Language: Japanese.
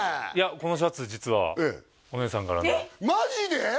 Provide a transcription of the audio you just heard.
このシャツ実はお姉さんからのマジで！？